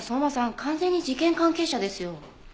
完全に事件関係者ですよ。